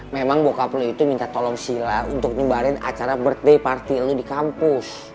memang bokap lo itu minta tolong silla untuk nyebarin acara birthday party lo di kampus